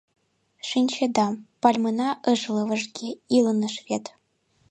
Шинчеда, пальмына ыш лывыжге, иланыш вет.